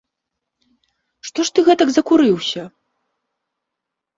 Што ж ты гэтак закурыўся?